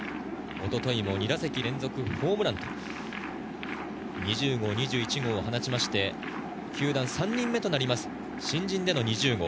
一昨日も２打席連続ホームランと２０号２１号を放って、球団３人目となる新人での２０号。